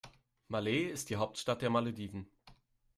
Malé ist die Hauptstadt der Malediven.